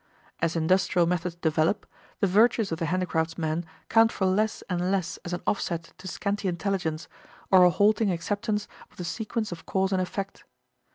As industrial methods develop, the virtues of the handicraftsman count for less and less as an offset to scanty intelligence or a halting acceptance of the sequence of cause and effect.